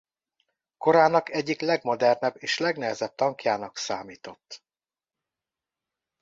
Korának egyik legmodernebb és legnehezebb tankjának számított.